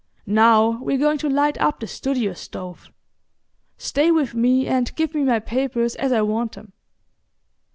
Now we're going to light up the studio stove. Stay with me, and give me my papers as I want 'em."